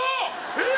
えっ？